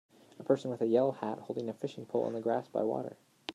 A person with a yellow hat holding a fishing pole in the grass by water